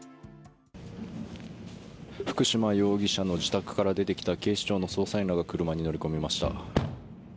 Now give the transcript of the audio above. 福島容疑者の自宅から出てきた警視庁の捜査員らが車に乗り込みました。